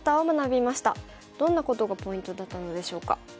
どんなことがポイントだったのでしょうか。